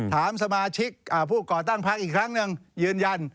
ถามสมาชิกผู้ก่อตั้งพักอีกครั้งหนึ่งยืนยัน